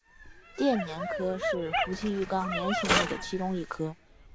电鲇科是辐鳍鱼纲鲇形目的其中一科。